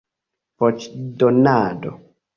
voĉdonado